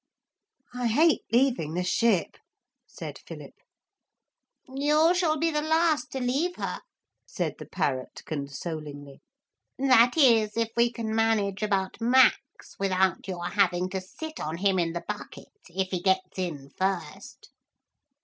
'I hate leaving the ship,' said Philip. 'You shall be the last to leave her,' said the parrot consolingly; 'that is if we can manage about Max without your having to sit on him in the bucket if he gets in first.'